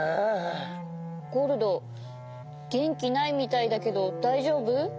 ゴールドげんきないみたいだけどだいじょうぶ？